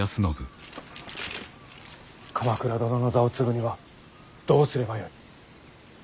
鎌倉殿の座を継ぐにはどうすればよい？